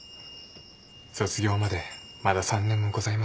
卒業までまだ３年もございますから。